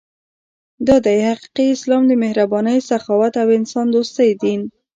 دا دی حقیقي اسلام د مهربانۍ، سخاوت او انسان دوستۍ دین.